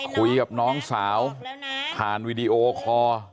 คุยกับน้องสาวผ่านวีดีโอคอร์